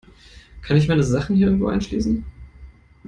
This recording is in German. Kann ich meine Sachen hier irgendwo einschließen?